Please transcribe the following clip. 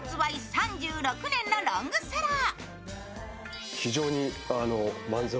３６年のロングセラー。